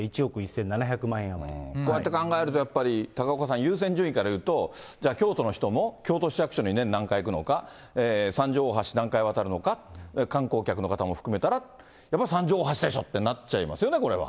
こうやって考えるとやっぱり、高岡さん、優先順位から言うと、じゃあ、京都の人も京都市役所に年何回行くのか、三条大橋何回渡るのか、観光客の方も含めたら、やっぱり三条大橋でしょってなっちゃいますよね、これは。